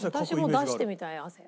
私も出してみたい汗。